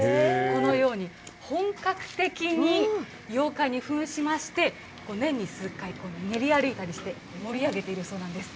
このように、本格的に妖怪にふんしまして、年に数回、ねり歩いたりして盛り上げているそうなんです。